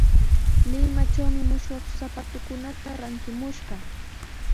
Limatrawmi mushuq sapatukunata rantimushqaa.